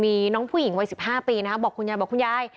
มีน้องผู้หญิงวัย๑๕ปีนะครับบอกคุณยายบอกคุณยาย